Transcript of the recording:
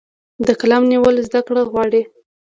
د قلم نیول زده کړه غواړي.